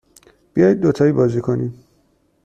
بیایید دوتایی بازی کنیم.